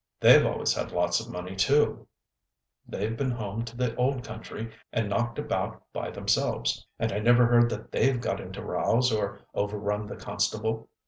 They've always had lots of money, too; they've been home to the Old Country and knocked about by themselves, and I never heard that they've got into rows or overrun the constable.